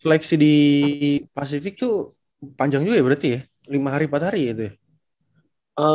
seleksi di pasifik tuh panjang juga ya berarti ya lima hari empat hari itu ya